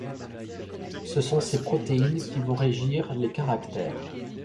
Ce sont ces protéines qui vont régir les caractères.